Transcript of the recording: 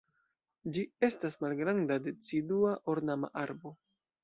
Ĝi estas malgranda, decidua, ornama arbo.